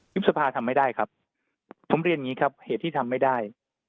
สภาทำไม่ได้ครับผมเรียนอย่างนี้ครับเหตุที่ทำไม่ได้